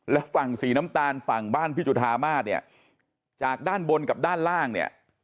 และฝั่งสีน้ำตาลฝั่งบ้านพี่จุธามาศเนี่ยจากด้านบนกับด้านล่างเนี่ย